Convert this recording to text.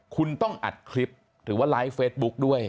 คุณต้องอัดคลิปหรือว่าไลฟ์เฟซบุ๊กด้วย